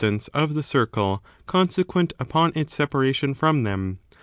193 of the circle consequent upon ita separation from them.